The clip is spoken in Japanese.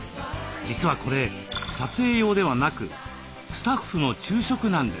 実はこれ撮影用ではなくスタッフの昼食なんです。